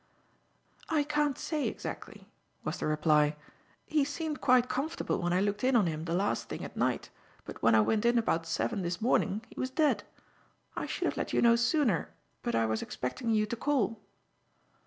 "I can't say exactly," was the reply. "He seemed quite comfortable when I looked in on him the last thing at night, but when I went in about seven this morning he was dead. I should have let you know sooner, but I was expecting you to call."